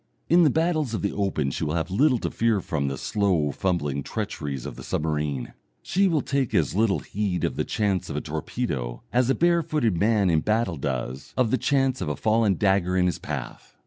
In the battles of the open she will have little to fear from the slow fumbling treacheries of the submarine, she will take as little heed of the chance of a torpedo as a barefooted man in battle does of the chance of a fallen dagger in his path.